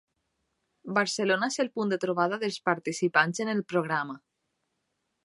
Barcelona és el punt de trobada dels participants en el programa.